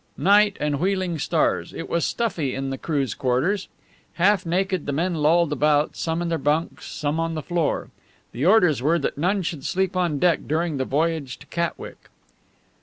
Night and wheeling stars. It was stuffy in the crew's quarters. Half naked, the men lolled about, some in their bunks, some on the floor. The orders were that none should sleep on deck during the voyage to the Catwick.